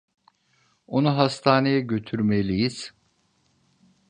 Onu hastaneye götürmeliyiz.